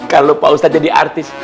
kalau pak ustadz jadi artis